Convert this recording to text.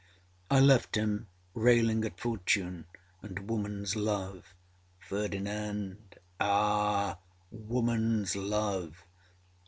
â I left him railing at Fortune and womanâs love. FERDINAND.âAh, womanâs love!